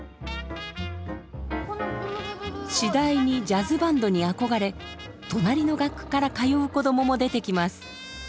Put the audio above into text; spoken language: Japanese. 次第にジャズバンドに憧れ隣の学区から通う子供も出てきます。